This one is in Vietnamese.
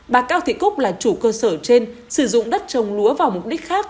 bà cao thị cúc là chủ cơ sở trên sử dụng đất trồng lúa vào mục đích khác